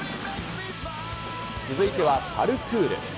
続いては、パルクール。